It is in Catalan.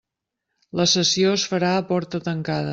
La sessió es farà a porta tancada.